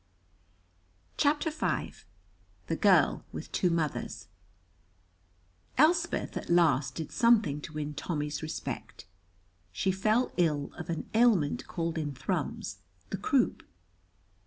CHAPTER V THE GIRL WITH TWO MOTHERS Elspeth at last did something to win Tommy's respect; she fell ill of an ailment called in Thrums the croop.